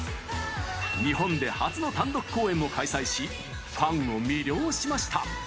日本で初の単独公演も開催しファンを魅了しました。